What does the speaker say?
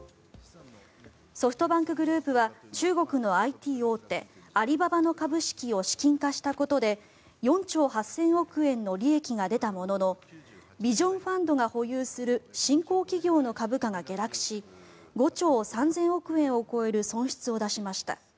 ソフトバンクグループは中国のＩＴ大手アリババの株式を資金化したことで４兆８０００億円の利益が出たもののビジョン・ファンドが保有する新興企業の株価が下落し５兆３０００億円を超える損失を出しました。